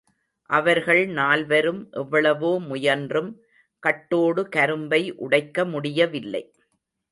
அவர்கள் நால்வரும் எவ்வளவோ முயன்றும் கட்டோடு கரும்பை உடைக்க முடியவில்லை.